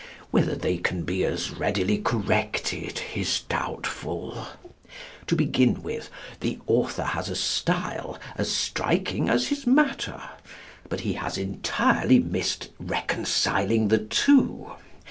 Whether they can be as readily corrected is doubtful. To begin with, the author has a style as striking as his matter; but he has entirely missed reconciling the two.